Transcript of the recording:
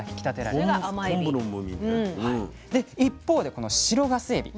一方でこの白ガスエビ